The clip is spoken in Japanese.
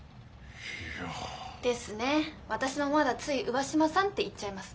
私もまだつい上嶋さんって言っちゃいます。